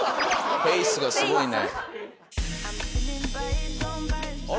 フェイスがすごいね。